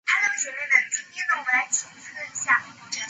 街道以英皇佐治五世的称号命名。